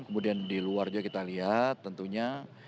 kemudian di luar juga kita lihat tentunya